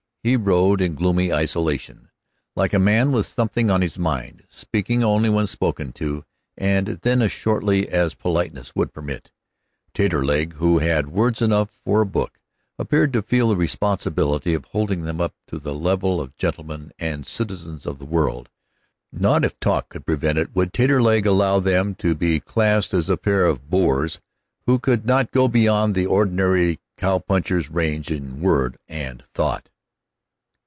He rode in gloomy isolation, like a man with something on his mind, speaking only when spoken to, and then as shortly as politeness would permit. Taterleg, who had words enough for a book, appeared to feel the responsibility of holding them up to the level of gentlemen and citizens of the world. Not if talk could prevent it would Taterleg allow them to be classed as a pair of boors who could not go beyond the ordinary cow puncher's range in word and thought.